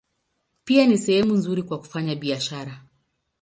Pia ni sehemu nzuri kwa kufanya biashara.